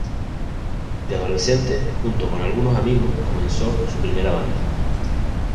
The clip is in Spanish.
De adolescente junto con algunos amigos, comenzó su primera banda.